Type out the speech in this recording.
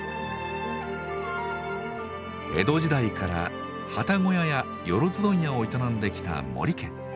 江戸時代から旅籠屋やよろず問屋を営んできた森家。